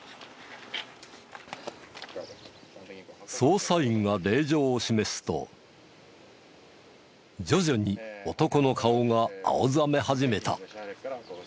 捜査員が令状を示すと徐々に男の顔が青ざめ始めた。